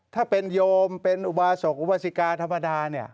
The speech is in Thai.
ถ้าเป็นโยมเป็นอุบาศกอุบาสิกาธรรมดาเนี่ย